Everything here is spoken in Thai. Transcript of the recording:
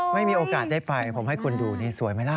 ไม่มีโอกาสได้ไฟผมให้คุณดูนี่สวยไหมล่ะ